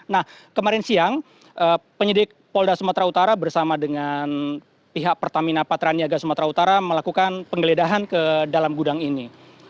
nah kemarin siang penyidik polda sumatera utara bersama dengan pihak pertamina patraniaga sumatera utara melakukan penggeledahan ke dalam gudang ini